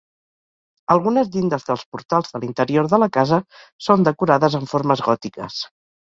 Algunes llindes dels portals de l'interior de la casa són decorades amb formes gòtiques.